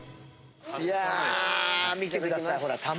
いやぁ見てくださいほら卵。